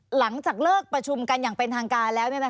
หลังจากเลิกประชุมกันอย่างเป็นทางการแล้ว